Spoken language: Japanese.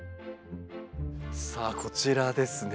さあこちらですね。